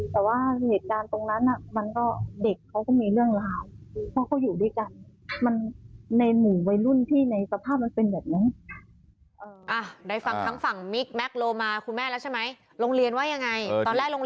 เพราะเขาก็เป็นหนุนขึ้นแล้วเนอะแม่เข้าใจอยู่